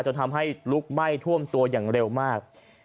จนทำให้ลุกไหม้ท่วมตัวอย่างเร็วมาก